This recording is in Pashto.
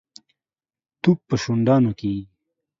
تو په شونډانو کېږي.